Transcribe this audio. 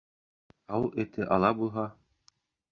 Ауыл эте ала булһа